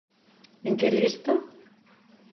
En que, lista?